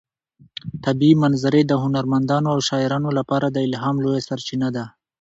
طبیعي منظرې د هنرمندانو او شاعرانو لپاره د الهام لویه سرچینه ده.